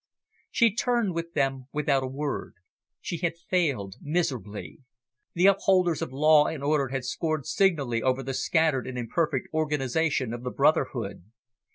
She turned with them without a word. She had failed miserably. The upholders of law and order had scored signally over the scattered and imperfect organisation of the brotherhood.